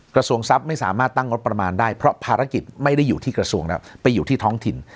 กระทรวงทรัพย์ไม่สามารถตั้งงบประมาณได้เพราะภารกิจไม่ได้อยู่ที่กระทรวงแล้วไปอยู่ที่ท้องถิ่น